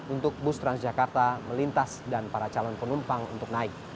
untuk bus transjakarta melintas dan para calon penumpang untuk naik